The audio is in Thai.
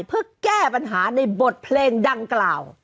เพื่อแก้ปัญหาในบทเพลงดังกล่าว